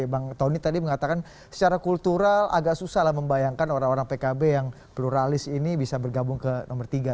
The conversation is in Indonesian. bang tony tadi mengatakan secara kultural agak susah lah membayangkan orang orang pkb yang pluralis ini bisa bergabung ke nomor tiga